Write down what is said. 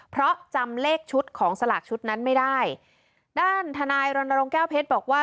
เพราะจำเลขชุดของสลากชุดนั้นไม่ได้ด้านทนายรณรงค์แก้วเพชรบอกว่า